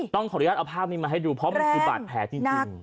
ต้องขออนุญาตเอาภาพนี้มาให้ดูเพราะมันคือบาดแผลจริง